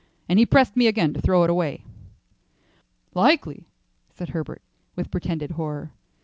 And he pressed me again to throw it away." "Likely," said Herbert, with pretended horror.